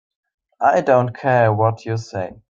I don't care what you say.